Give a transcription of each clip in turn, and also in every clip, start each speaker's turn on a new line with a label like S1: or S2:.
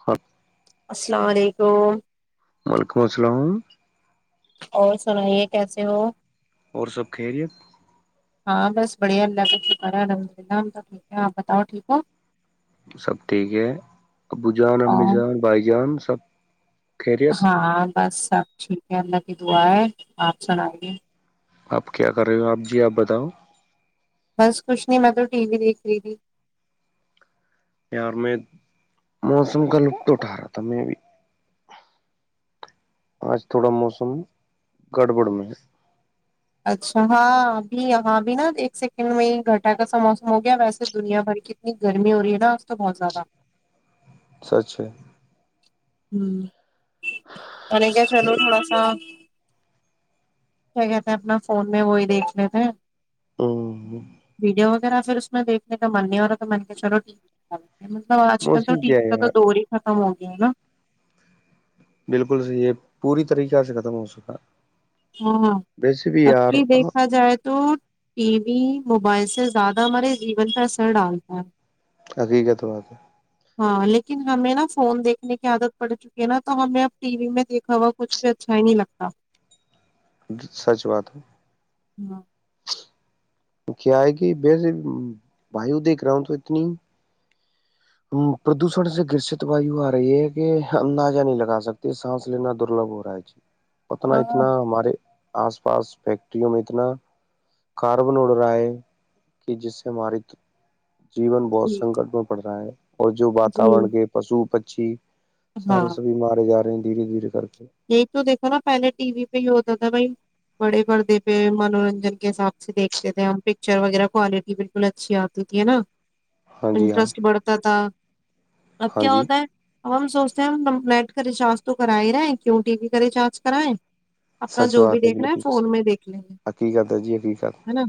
S1: ہاں
S2: السلام علیکم
S1: وعلیکم السلام
S2: اور سنائیے کیسے ہو
S1: اور سب کھری ہے
S2: ہاں بس بڑھیا اللہ کا شکرار ہے الحمد للہ ہم تو ٹھیک ہے آپ بتاؤ ٹھیک ہو
S1: سب ٹھیک ہے ابو جان امی
S2: اور
S1: جان بائی جان تب
S2: ہاں بس ٹھیک ہے اللہ کی دعا ہے آپ سنائیے
S1: آپ کیا کر رہے ہو آپ جی آپ بتاؤ
S2: بس کچھ نہیں میں تو ٹی وی دیکھ رہی تھی
S1: یار میں موسم کا لطف اٹھا رہا تھا میں بھی آج تھوڑا موسم گڑبڑ میں ہے
S2: اچھا ہاں ابھی یہاں ا بھیھی نا ایک سیکنڈ میں ہی گھٹا کا سا موسم ہو گیا ویسے دنیا بھر کی اتنی گرمی ہو رہی ہے نا آج تو بہت زیادہ
S1: سچھا
S2: ہوں م کیا چلو تھوڑا سا کیا کہتے ہیں اپنا فون میں وہی دیکھ لیتےے
S1: ہوں
S2: بجا وقت ذا پھر اس میں دیکنے کا من نہیں ہو رہا تو میں نے کہ چلو ٹی مطلب آج کل تو
S1: موسم
S2: ٹی
S1: کیا
S2: وی کا
S1: ہے یار
S2: تو دور ہی تھا ہ اوکےا
S1: بالکل س یہ پوری طریقہ سے ختم ہو سکا
S2: ہاںاں سب کی دیکھا جائے تو تو ٹی وی موبائل سے زیادہ ہمارے جیون پرہ اثر ڈالتا ہے
S1: ہقیق تو بات
S2: ہاں لیکن ہمیں نا فون دیکھنے کی عادت پڑ چکی ہے نا تو ہمیں اب ٹی وی میں دیکھا ہوا کچھ بھی اچھا ہی نہیں لگتا
S1: سچ بات ہے
S2: ہ [unintelligible]
S1: کیا ہے کہ ویسے ویو دیکھ رہا ہوں تو اتنی پردوشن سے گرست وایو آ رہی ہے کہ اندازہ نہیں لگا سکتی سانس لینا درلبھ ہو رہا ہے جی پتنا
S2: ہاں
S1: اتنا ہمارے آس پاس فیکٹریوں میں اتنا کاربن اڑ رہا ہے کہ جس سے ہمار جیون بہت
S2: جی
S1: سنکٹ میں پڑ رہا ہے اور جو
S2: جی
S1: واتاورن کے پشو پ جی
S2: ہاں
S1: سارے سبھی مارے جا رہے ہیں دھیرے دھیر کر کے
S2: یہی تو دیکھو نا پہلے ٹی وی پہ ہی ہوتا تھا بھائی بڑے پردے پہ منورنجن کے حساب سے دیکھتے تھے ہم پکچر وغیرہ کوالٹی بالکل اچھی آتی تھی ہے نا
S1: ہاں جی ہاں
S2: انٹرسٹ بڑھتا تھا اب
S1: ہاں
S2: کیا
S1: جی
S2: ہوتا ہے اب ہم سوچتے ہیں کمپلیٹ کا نشاست تو کرا ہی رہا ہے کیو ٹی وی کریں چارج کرائیں اپنا
S1: سچ
S2: جو بھی
S1: بات
S2: دیکھ رہا ہے
S1: بالکل
S2: فون میں دیکھ لیں
S1: حقیقت جی حقیقت
S2: ہے نا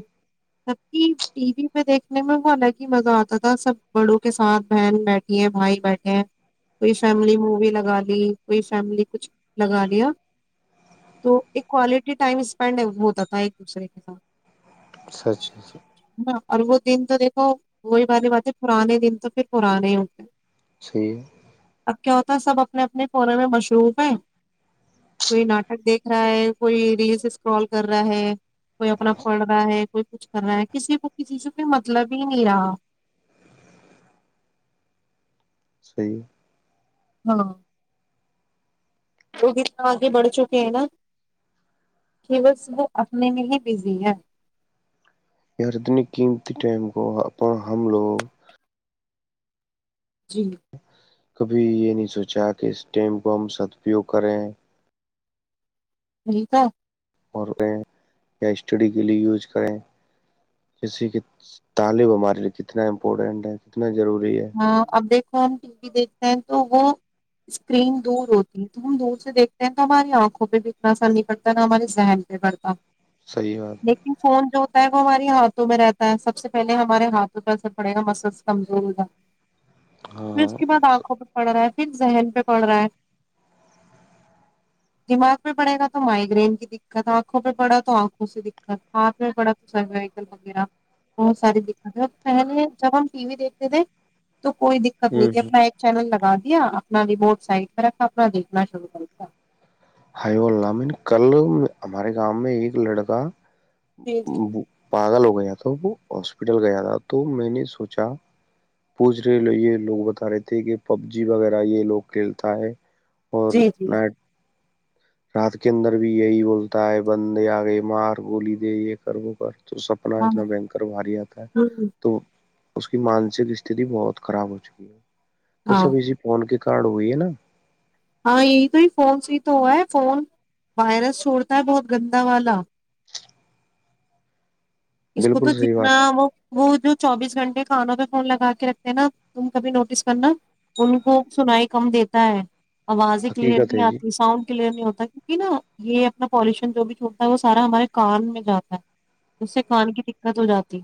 S2: ٹی وی پہ دیکھنے میں وہ الگ ہی مزہ آتا تھا سب بڑوں کے ساتھ بہن بیٹھی ہیں بھائی بیٹھے ہیں کوئی فیملی مووی لگا لی کوئی فیملی کچھ لگا لیا تو ایک کوالٹی ٹائم سپینڈ ہے وہ ہوتا تھا ایک دوسرے کے ساتھ
S1: سچا
S2: ہے نا اور وہ دن تو دیکھو وہی بات نہیں بات ہے پرانے دن تو پھر پرانے ہی ہوتے ہیں
S1: چھوے
S2: اب کیا ہوتا ہے سب اپنے اپنے کونے میں مصروف ہے کوئی ناٹک دیکھ رہا ہے کوئی ریلس اسکرال کر رہا ہے کوئی اپنا پڑھ رہا ہے کوئی کچھ کر رہا ہے کسی کو کسی سے کوئی مطلب ہی نہیں رہا
S1: صیح ہے
S2: ہاں وہ بھیتنا آگے بڑھ چکے ہیں نا کھیلت ص وہ اپنے میں ہی بزی ہے
S1: ردنی قیمتی ٹائم کو اپ حملو
S2: جی
S1: ہاں کبھی یہ نہیں سوچا کہ اسٹیم کو ہم سدپیوگ کریں ہیں
S2: ٹھیک ہے
S1: اور یا اسٹڈی کے لیے یوز کریں جیس سے کہ طعالب ہمارے لیے کتنا امپورٹنٹ ہے کتنا ضروری ہے
S2: ہاں اب دیکھو تو ہم ٹی وی دیکھتے ہیں تو وہ اسکرین دور ہوتی ہے تو ہم دور سے دیکھتے ہیں تو ہماری آنکھوں پہ بھی اتنا اثر نہیں پڑتا نہ ہمارے ذہن پہ پڑتا
S1: صحیح بات ہے
S2: لیکن فون جو ہے وہ ہماری ہاتھ میں رہتا ہے سب سے پہلے ہمارے ہاتھوں پہ اثر پڑے گا مسلس کمزور ہوگا
S1: ہاں
S2: پ اس کے بعد آنکھوں پر پڑ رہا ہے صف ذہن پہ پڑ رہا ہے دماغ پہ پڑے گا تو مائگرین کی دقت آنکھوں پہ پڑا تو آنکھوں سے دقت ہاتھ پ پڑا تو سر ویکل وغیرہ بہت ساری دقت ہے پہلے جب ہم ٹی وی دیکھتے تھے تو کوئی دقت نہیں
S1: ہوں
S2: تھی
S1: ہوں
S2: اپنا ایک چینل لگا دیا اپنا ریموٹ سائٹ پ رکھا اپنا دیکھنا شروع کر دیا
S1: ہائیو الن کل ہمارے گاؤں میں ایک لڑکا
S2: جی جی
S1: پاگ لوگ گیا تھا وہ ہاسپٹل گیا تھا تو میں نے سوچا پوچھ رہے یہ لوگ بتا رہے تھے کہ پب جی وغیرہ یہ لوگ کھیلتا ہے اور
S2: جی جی
S1: نائٹ رات کے اندر بھی یہی بولتا ہے بندے آگئے مار گولی دے یہ کر وہو کر تو سپنا
S2: ہاں
S1: اتنا بنکر باری آتا ہے
S2: ہوں
S1: تو اس کی مانسک استتی بہت خراب ہو چکی ہے تو
S2: ہاں
S1: سب اسی فون کی کڈ ہوئی ہے نا
S2: ہاں یہی تو ہی فون سے ہی تو ہوا ہے فون وائرس چھوڑتا ہے بہت گندا والا اس کو تو
S1: بالکل صحیح
S2: جتنا
S1: بات
S2: وہ وہ جو چوبیس گھنٹے کھانوں پہ فون لگا کے رکھتے ہیں نا تم کبھی نوٹس کرنا ان کو سنائی کم دیتا ہے آوازیں کلیئر
S1: حقیقت
S2: نہیں
S1: ہے جی
S2: آتی ساؤنڈ کلیئر نہیں ہوتی کہ نا یہ اپنا پالوشن جو بھی چھوڑتا ہے وہ سارا ہمارے کان میں جاتا ہے ج سے خان کی دقت ہو جاتی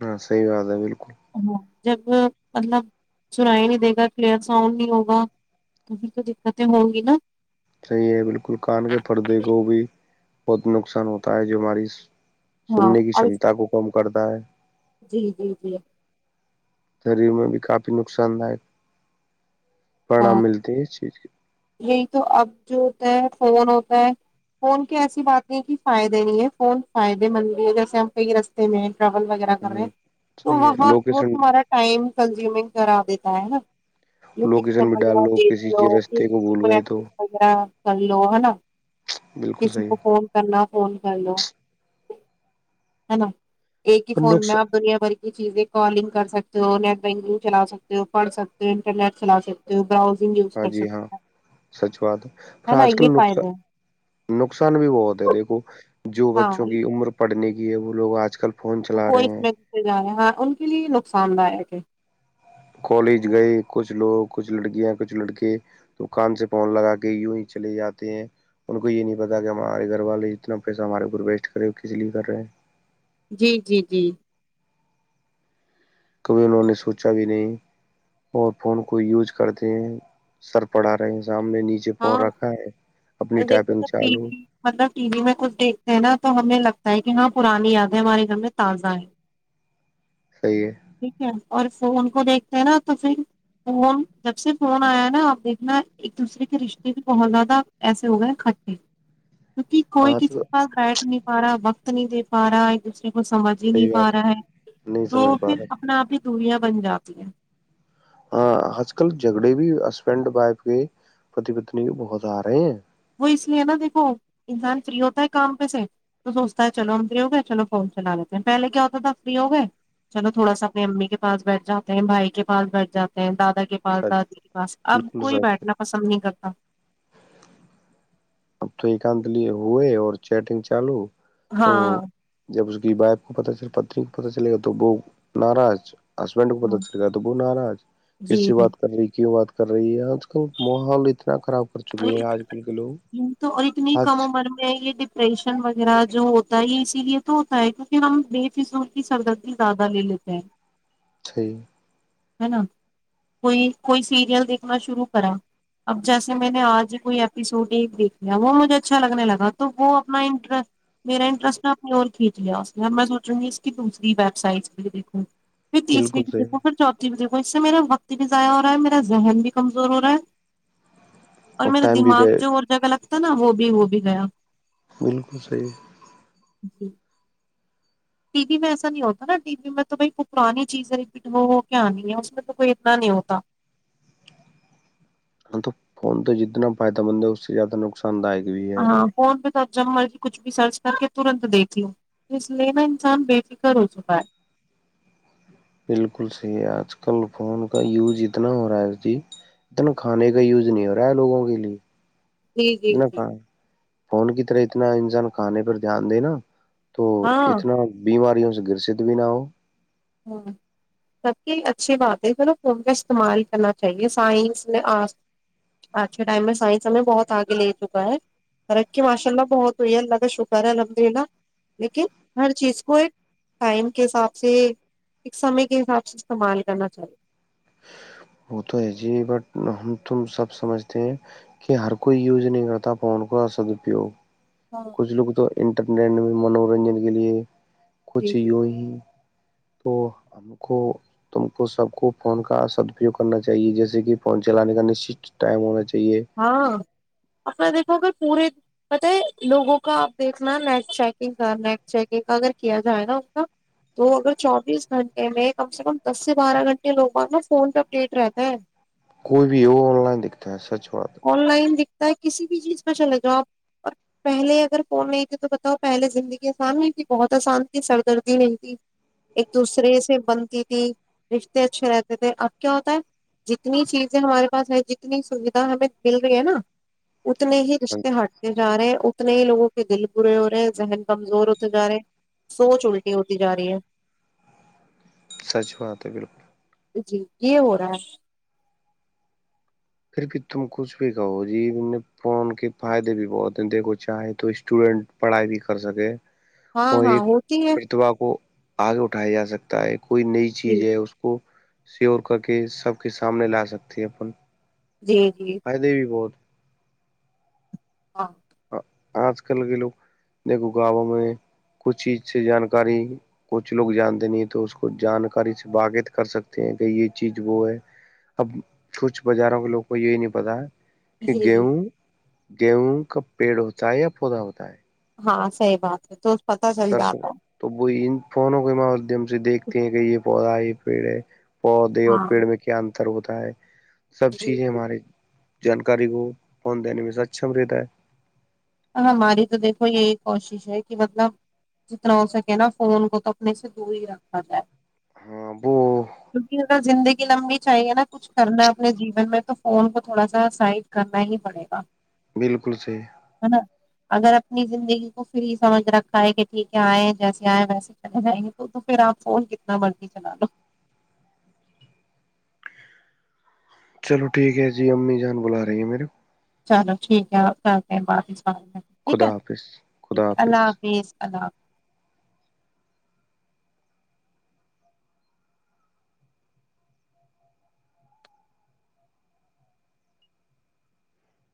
S1: ہاں صح بات ہے بالکل
S2: ہاں، جب مطلب سرائی نہیں دے گا کلیئر ساؤنڈ نہیں ہوگا تو تو دقتیں ہوں گی نا
S1: صحیح ہے بالکل کان کے پردے کو بھی بہت نقصان ہوتا ہے جو ہماری
S2: ہاں
S1: سننے کی
S2: اور
S1: کمتا کو کم کر د پر
S2: جی جی جی
S1: شریر میں بھی کافی نقصان دائک
S2: ہاں یہی تو اب جو فون ہوتا ہے فون کی ایسی بات نہیں کہ فائدے نہیں ہے فون فائدے مند بھی ہے جیسے ہم کئی رستے میں ہیں ٹریول وغیرہ کر رہے ہیں
S1: ہ
S2: تو
S1: صحیح ہے
S2: وہتت
S1: لوکیشن
S2: تمہارا ٹائم کنزیومنگ کرا دیتا ہے نا
S1: لوگ جن
S2: لوکیشن
S1: مڈ ڈال
S2: وغیرہ
S1: لو
S2: دیکھ
S1: کسی
S2: لو
S1: کے رستے کو
S2: ایزیلی
S1: بھول
S2: کوئی
S1: گئے تو
S2: ایڈریس وغیرہ کر لو ہے نا
S1: بالکل
S2: کسی
S1: صحیح
S2: کو فون کرنا فون کر ل ہے نا ایک ہی
S1: اور
S2: فون میں
S1: نقص
S2: آپ دنیا بھر یہ چیزیں کالنگ کر سکتے ہو نیٹ بینکنگ چلا سکتے ہو پڑھ سکتے ہو انٹرنیٹ چلا سکتے ہو ج کا
S1: ہاں جی ہاں سچ بات ہے
S2: ہو
S1: پر
S2: نا
S1: آج کل
S2: یہ فائدہ ہے
S1: نقصان نقصان بھی بہت ہے دیکھو جو بچوں
S2: ہاں
S1: کی عمر پڑھنے کی یہ وہ لوگ آج کل فون چلا
S2: وہ اس
S1: رہے ہیں
S2: میں گے جیں ہاں ان کے لیے نقصان داک ہے
S1: کالج گئے کچھ لوگ کچھ لڑکیاں کچھ لڑکے دکان سے پون لگا کے یوں ہی چلے جاتے ہیں ان کو یہ نہیں پتا کہ ہمارے گھر والے اتنا پیسہ ہمارے اوپر ویسٹ کرے کس لیے کر رہے ہیں
S2: جی جی جی
S1: کبھی انہوں نے سوچا بھی نہیں اور فون کو یوز کرتے ہیں سر پڑھا رہے ہیں سامنے نیچے
S2: ہاں
S1: فون رکھا ہے
S2: اور
S1: اپنی
S2: دیکھے
S1: ٹائپنگ
S2: ٹی
S1: چالو
S2: وی مطلب ٹی وی میں کچھ دیکھتے ہیں نا تو ہمیں لگتا ہے کہ ہاں پرانی یادیں ہمارے گھر میں تازہ ہے
S1: صحیح ہے
S2: ٹھیک ہے اور فون کو دیکھتے ہیں نا تو پھر فون جب سے فون آیا نا آپ دیکھنا ایک دوسرے کے رشتے بھی بہت زیادہ ایسے ہو گئے کھٹے کیکہ کوئی
S1: ہاں
S2: کسی
S1: تو
S2: کےھ گرائٹ نہیں پا رہا وت پتنی د پارا کو سمجھ ہی
S1: صحیح
S2: نہیں پا
S1: بات
S2: رہا ہے
S1: نہیں
S2: تو
S1: سمجھ پا
S2: پھر
S1: رہا
S2: اپنا آپ ہی دوریا بن جاتی ہے
S1: ہاں آج کل جھگڑے بھی ہسبینڈ وائف کے پتی پتنی بھی بہت آ رہے ہیں
S2: تو اس لیے نا دیکھو انسان فری ہوتا ہے کام پہ سے تو سوچتا ہے چلو ہم فری ہو گئے چلو فون چلا لیتے ہیں پہلے کیا ہوتا تھا فری ہو گئے چلو تھوڑا سا اپنی امی کے پاس بیٹھ جاتے ہیں بھائی کے پاس بیٹھ جاتے ہیں دادا کے پال
S1: سچ
S2: دادی کے پاس اب
S1: بالکل
S2: کوئی
S1: سچ
S2: بیٹھنا پسند نہیں کرتا
S1: اب تو ایکانت لیے ہوئے اور چیٹنگ چالو تو
S2: ہاں
S1: جب اس ب کو پتا چلے گ پت کو پتا چلے گا تو وہ ناراض ہسبینڈ کو پتا
S2: ہاں
S1: چل گیا توبو ناراج
S2: جی
S1: کس سے
S2: جی
S1: بات کر رہی کیوں بات کر رہی ہے آج کل محال اتنا کتنا خراب کر چکے
S2: اور
S1: ہیں آج کل کے لوگ
S2: اتنی تو اور اتنی
S1: ہاتھ
S2: کم عمر میں یہ ڈپریشن وغیرہ جو ہوتا ہے یہ اسی لیے تو ہوتا ہے کیونکہ ہم بے فضول کی سردردی زیادہ لے لیتے ہیں
S1: صحھی
S2: ہے نا کوئی کوئی سیریل دیکھنا شروع کرا اب جیسے میں نے آج کوئی ایپیسوڈ دیکھ لیا وہ مجھے اچھا لگنے لگا تو وہ اپنا انٹر میرا انٹرسٹ نے اپنی اور کھینچ لیا اس میں اب میں سوچ رہیی اس کی دوسری ویب سائٹس بھی دیکھوں پھر تیسری
S1: بالکل صحیح
S2: دیکھو پھر چوتا جی دیک اس سے میرا وقت بھی ضائع ہو رہا ہے میرا ذہن بھی کمزور ہو رہا ہے اور میرا
S1: ٹائم بھی ب
S2: دماغ جو اور جگہ الگتا تھا نا وہ بھی وہ بھی گیا
S1: بالکل صحیح ہے
S2: جی ٹی وی میں ایسا نہیں ہوتا نا ٹی وی میں تو بھائی پرانی چیز ہے ایکٹ وہ وہ کیا نہیں ہے اس میں تو کوئی اتنا نہیں ہوتا
S1: ہاں تو فون تو جتنا فائدہ مند ہے اس سے زیادہ نقصان پسند داک بھی ہے
S2: ا جب مرضی کچھ بھی سرچ کر کے ترنت دیکھ لوں اس لینا انسان بے فکر ہو چکا ہے
S1: بالکل صحیح ہے آج کل فون کا یوز اتنا ہو رہا ہے جی اتنا کھانے کا یوز نہیں ہو رہا ہے لوگوں کے لیے
S2: جی جی
S1: اتنا
S2: جی
S1: کھا فون کی طرح اتنا انسان کانے پر دھیان دےینا تو
S2: ہاں
S1: اتنا بیماریوں سے گرست بھی نہ ہو
S2: ہ سب کی اچھی بات ہے چلو فون کا استعمال کرنا چاہیے سائنس میں آج آج کے ٹائم میں سائنس ہمیں بہت آگے لے چکا ہے فرق کے ماشاء اللہ بہت ہوئی ہے اللہ کا شکر ہے الحمد للہ لیکن ہر چیز کو ایک ٹائم کے حساب سے ایک سمے کے حساب سے استعمال کرنا چاہیے
S1: وہ تو ہے جی بٹ ہم تم سب سمجھتے ہیں کہ ہر کوئی یوز نہیں کرتا فون کا سدپیوگ
S2: ہاں
S1: کج لوگ تو انٹرٹٹ میں منورنجن کے لیے
S2: جی
S1: کچھ
S2: جی
S1: یوں ہی تو ہم کو تم کو سب کو فون کا سدپیوگ کرنا چاہیے جیسے کہ فون چلانے کا نشچت ٹائم ہونا چاہیے
S2: ہاں اپ د تو اگر پورے پت ہے لوگوں کا آپ دیکھنا نیٹ چیکنگ کا نیٹ چیکنگ کا اگر کیا جائے نا ان کا تو اگر چوبیس گھنٹے میں کم سے کم دس سے بارہ گھنٹے لوگوں اپنا فون پ اپ ڈیٹ رہتا ہے
S1: کوئی بھی وہ آن لائن دکھتا ہے سچ بات
S2: آن لائن دکھتا ہے کسی بھی چیز پہ چلے جاؤ آپ اور پہلے اگر فون نہیں تے تو بتاؤ پہلے زندگی آسان نہیں تھی بہت آسان تھی سردردی نہیں تھی ایک دوسرے سے بنتی تھی رشتے اچھے رہتے تھے اب کیا ہوتا ہے جتنی چیزیں ہمارے پاس ہے جتنی ہمیں مل رہی ہے نا اتنے ہی
S1: ہے
S2: رشتے ہٹتے جا رہے ہیں اتنے ہی لوگ کے دل برے ہو رہے ہیں ذہن کمزور ہوتے جا رہے ہیں سوچ الٹی ہوتی جا رہی ہے
S1: سچ ہو آتے بالکل
S2: جی یہ ہو رہا ہے
S1: پھر بھی تم کچھ بھی کہو جی فون کے فائدے بھی بہت ہیں دیکھو چاہے تو اسٹوڈینٹ پڑھائی بھی کر سکے
S2: ہاں
S1: اور
S2: ہاں
S1: ایک
S2: ہوتی ہے
S1: پرتبا کو آگے اٹھایا جا سکتا ہے ایک کوئی نئی
S2: جی
S1: چیز ہے اس کو سیور کر کے سب کے سامنے لا سکتے ہیں اپن
S2: جی جی
S1: فائدے بھی بہت
S2: ہاں
S1: آج کل کے لوگ دیکھو گاؤوں میں کچھ چیز سے جانکاری کچھ لوگ جانتے نہیں تو اس کو جانکاری سے باغت کر سکتے ہیں کہ یہ چیز وہ ہے اب کچھ بازاروں کے لوگ کو یہی نہیں پتا ہے کہ
S2: جی جی
S1: گیہ دیہ کا پیڑ ہوتائے یا پودا ہوتائے
S2: ہاں صحی بات ہے تو پتا چل
S1: سر س
S2: جاتا ہے
S1: تو وہ فون ا کوئیما دم دیکھتے ہیں کہ یہ پودائی پیڑے پودے اور
S2: ہاں
S1: پیڑ میں کیا ان پتر ہوتا ہے سب
S2: جی
S1: چیزیں
S2: جی
S1: ہمارے جانکاری کو پنچ دینے میں سکچم رہتا ہے
S2: ہماری تو دیکھو یہی کوشش ہے کہ مطلب جتنا ہو سکے نا فون کو تو اپنے سے دور ہی رکھا جائے
S1: ہاں وہ
S2: کیونکہ اا زندگی لمبی چاہیے نا کچھ کرنا اپنے جیون میں تو فون کو تھوڑا سا سائڈ کرنا ہی پڑے گا
S1: بالکل صحیح
S2: ہے نا اگر اپنی زندگی کو پھر ہی سمجھ رکھا ہے کہ ٹھیک ہے آئے جیسے آئے ویسے چلے جائیں گے تو تو پھر آپ فون کتنا مرضی چلا لو
S1: چلو ٹھیک ہے جی امی جان بلا رہی ہیں میرے
S2: چلو ٹھیک ہے کرتے ہیں بعد اں ٹھیک ہے
S1: خدا حافظ
S2: ٹھیک
S1: خدا
S2: ہے اللہ حافظ اللہ حافظ